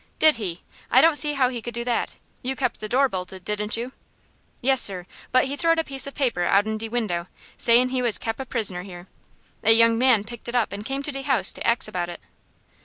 "Did he? I don't see how he could do that. You kept the door bolted, didn't you?" "Yes, sir; but he throwed a piece of paper out'n de window, sayin' he was kep' a prisoner here. A young man picked it up, and came to de house to ax about it."